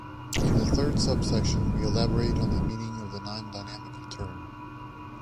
In the third subsection we elaborate on the meaning of the non-dynamical term.